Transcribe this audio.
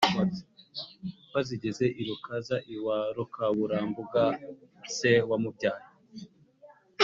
bazigeze i rukaza iwa rukaburambuga se wamubyaye.